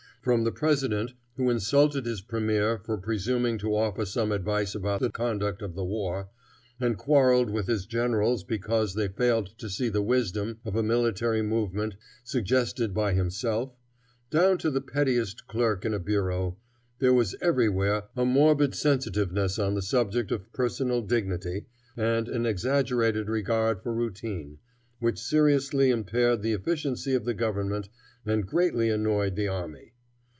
From the president, who insulted his premier for presuming to offer some advice about the conduct of the war, and quarreled with his generals because they failed to see the wisdom of a military movement suggested by himself, down to the pettiest clerk in a bureau, there was everywhere a morbid sensitiveness on the subject of personal dignity, and an exaggerated regard for routine, which seriously impaired the efficiency of the government and greatly annoyed the army.